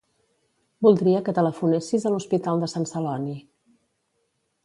Voldria que telefonessis a l'Hospital de Sant Celoni.